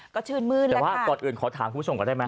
ก็ชื่นมืดเลยแต่ว่าก่อนอื่นขอถามคุณผู้ชมก่อนได้ไหม